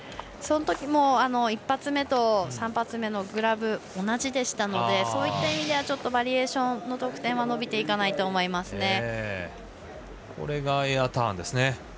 そのときも１発目と３発目のグラブが同じでしたのでそういった意味ではバリエーションの得点伸びていかないと思いますね。